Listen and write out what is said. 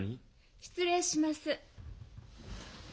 ・失礼します。